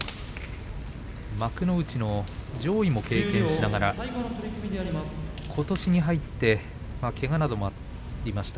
幕内の上位も経験しながらことしに入ってけがなどもありました。